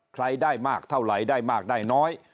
ใครได้มากเท่าไหร่ได้มากได้น้อย